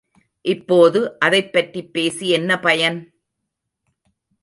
இப்போது அதைப்பற்றிப் பேசி என்ன பயன்?